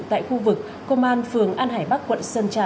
tại khu vực công an phường an hải bắc quận sơn trà